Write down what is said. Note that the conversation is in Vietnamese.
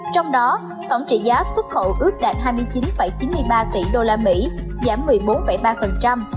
trong đó tổng trị giá xuất khẩu ước đạt hai mươi chín chín mươi ba tỷ đô la mỹ giảm một mươi bốn ba